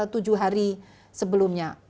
tujuh hari sebelumnya